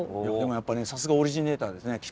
でもやっぱりねさすがオリジネーターですね。